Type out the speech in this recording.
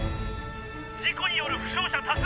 「事故による負傷者多数！